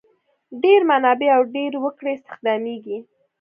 ډېر منابع او ډېر وګړي استخدامیږي.